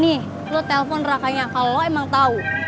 nih lo telpon nerakanya kalau lo emang tau